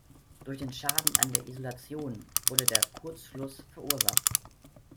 Durch den Schaden an der Isolation wurde der Kurzschluss verursacht.